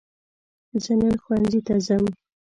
زه نن ښوونځي ته ځم.